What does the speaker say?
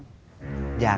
apa yang harus saya lakukan